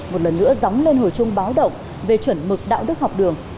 một lần nữa gióng lên hồi chung báo động về chuẩn mực đạo đức học đường